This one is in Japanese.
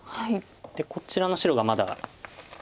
こちらの白がまだ。